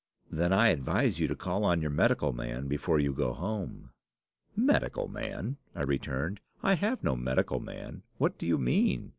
"'Then I advise you to call on your medical man before you go home.' "'Medical man!' I returned; 'I have no medical man. What do you mean?